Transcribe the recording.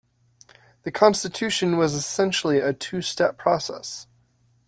The constitution was essentially a two-step process.